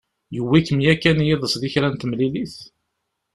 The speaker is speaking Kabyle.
Yewwi-kem yakan yiḍes di kra n temlilit?